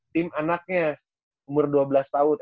tim anaknya umur dua belas tahun